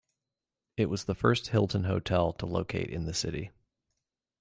It was the first Hilton hotel to locate in the city.